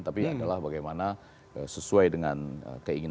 tapi adalah bagaimana sesuai dengan keinginan